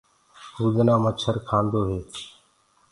ڀِمڀڻي مڇر کآندي هي۔